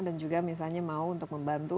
juga misalnya mau untuk membantu